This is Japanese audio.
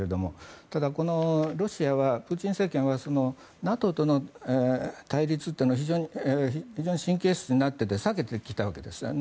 ただこのロシアはプーチン政権はＮＡＴＯとの対立というのは非常に神経質になって避けてきていたわけですね。